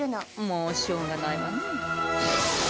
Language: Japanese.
もうしょうがないわね。